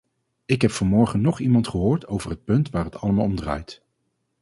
Ik heb vanmorgen nog niemand gehoord over het punt waar het allemaal om draait.